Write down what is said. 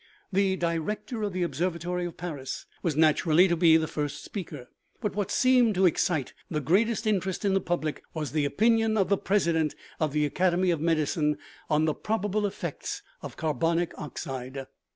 The director of the observatory of Paris was natur ally to be the first speaker ; but what seemed to ex cite the greatest interest in the public was the opinion of the president of the academy of medicine on the probable effects of carbonic oxide.